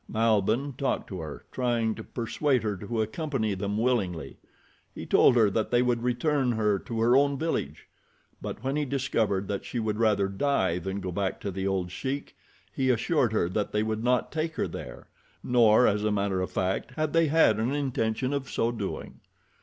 Malbihn talked to her, trying to persuade her to accompany them willingly. He told her that they would return her to her own village; but when he discovered that she would rather die than go back to the old sheik, he assured her that they would not take her there, nor, as a matter of fact, had they had an intention of so doing.